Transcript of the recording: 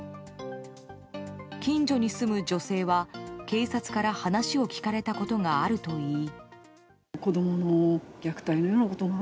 近所に住む女性は警察から話を聞かれたことがあるといい。